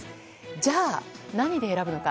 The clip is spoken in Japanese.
じゃあ、何で選ぶのか。